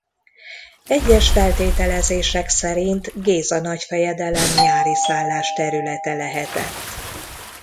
Egyes feltételezések szerint Géza nagyfejedelem nyári szállásterülete lehetett.